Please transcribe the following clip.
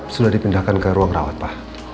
sudah dipindahkan ke ruang rawat pak